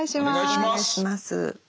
お願いします。